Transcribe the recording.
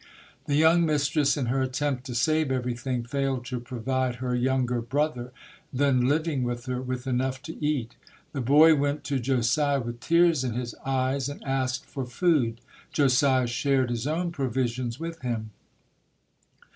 The young mistress, in her attempt to save everything, failed to provide her younger brother, then living with her, with enough to eat. The boy went to Josiah with tears in his eyes and asked for food. Josiah shared his own provisions with him.